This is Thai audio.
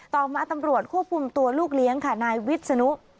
ต่อมาตำรวจควบคุมตัวลูกเลี้ยงค่ะนายวิศนุ